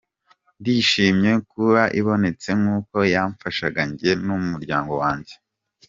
Ndishimye kuba ibonetse kuko yamfashaga jye n’umuryango wanjye.